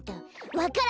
わか蘭！